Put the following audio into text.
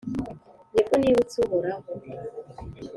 ni bwo nibutse uhoraho